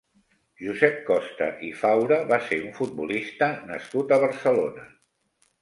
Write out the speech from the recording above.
Josep Costa i Faura va ser un futbolista nascut a Barcelona.